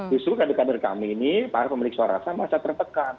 justru kadang kadang kami ini para pemilik suarasa masih terpekan